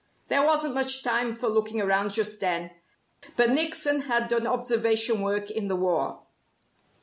There wasn't much time for looking round just then, but Nickson had done observation work in the war.